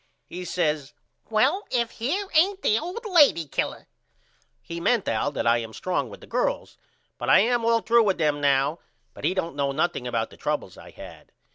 He says Well if here ain't the old lady killer. He ment Al that I am strong with the girls but I am all threw with them now but he don't know nothing about the troubles I had.